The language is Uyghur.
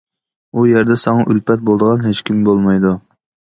ئۇ يەردە ساڭا ئۈلپەت بولىدىغان ھېچكىم بولمايدۇ.